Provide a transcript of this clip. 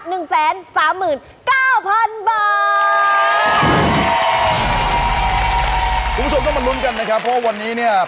คุณผู้ชมต้องมาลุ้นกันนะครับเพราะวันนี้